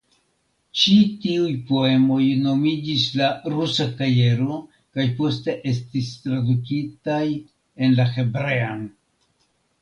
Ĉi tiuj poemoj nomiĝis "La rusa kajero" kaj poste estis tradukitaj en la hebrean.